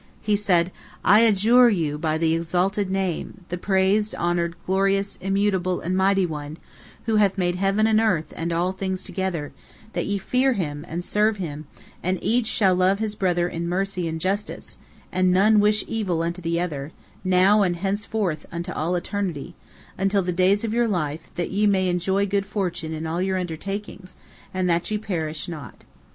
He said: "I adjure you by the exalted Name, the praised, honored, glorious, immutable, and mighty One, who hath made heaven and earth and all things together, that ye fear Him, and serve Him, and each shall love his brother in mercy and justice, and none wish evil unto the other, now and henceforth unto all eternity, all the days of your life, that ye may enjoy good fortune in all your undertakings, and that ye perish not."